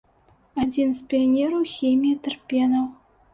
Адзін з піянераў хіміі тэрпенаў.